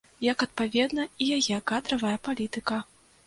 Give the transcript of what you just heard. Як, адпаведна, і яе кадравая палітыка.